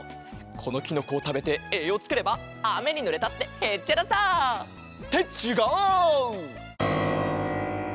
このきのこをたべてえいようつければあめにぬれたってへっちゃらさ！ってちがう！